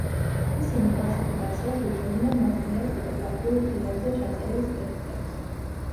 ისინი კლასიფიკაციას უწევდნენ მათ მიერ ფოტოგრაფიულ ფილებზე ჩაწერილ სპექტრებს.